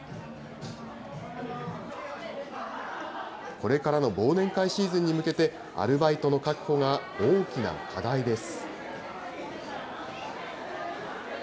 これからの忘年会シーズンに向けて、アルバイトの確保が大きな課題です。